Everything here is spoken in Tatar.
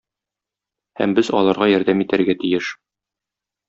Һәм без аларга ярдәм итәргә тиеш.